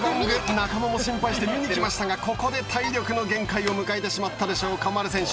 仲間も心配して見に来ましたがここで体力の限界を迎えてしまったでしょうかまる選手。